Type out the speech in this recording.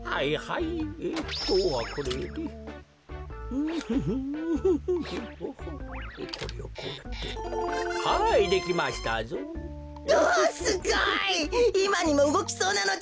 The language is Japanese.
いまにもうごきそうなのだ。